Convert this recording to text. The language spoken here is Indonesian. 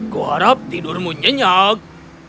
gua harap tidurmu nyenyak